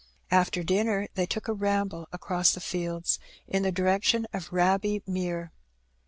After dinner they took a ramble across the fields, in the direction of Raby Mere.